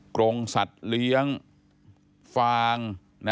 กรงสัตว์เลี้ยงฟาง